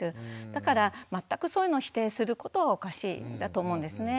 だから全くそういうのを否定することがおかしいんだと思うんですね。